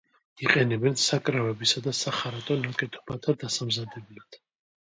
იყენებენ საკრავებისა და სახარატო ნაკეთობათა დასამზადებლად.